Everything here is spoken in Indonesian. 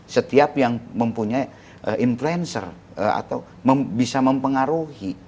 setiap yang mempunyai influencer atau bisa mempengaruhi